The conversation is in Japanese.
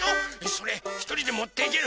それひとりでもっていける？